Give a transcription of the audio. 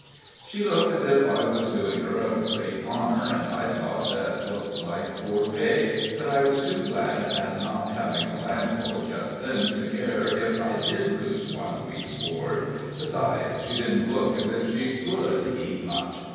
She looked as if I was doing her a great honor, and I thought that looked like poor pay, but I was too glad at not seeing the landlord just then to care if I did lose one week's board; besides, she didn't look as if she could eat much.